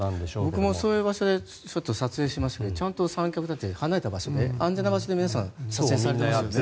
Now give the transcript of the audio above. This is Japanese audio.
僕もそういう場所でちょっと撮影しましたけどちゃんと三脚を立てて安全な場所で皆さん撮影されていますよね。